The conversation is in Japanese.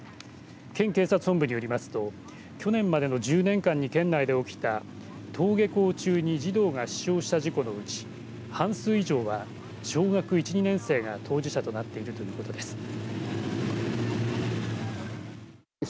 県警察本部によりますと去年までの１０年間に県内で起きた登下校中に児童が死傷した事故のうち半数以上は小学１、２年生が当事者となっているとのことです。